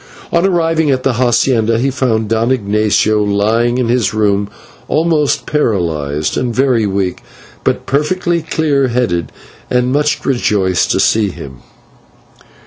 On arriving at the /hacienda/ he found Don Ignatio lying in his room, almost paralysed and very weak, but perfectly clear headed and rejoiced to see him.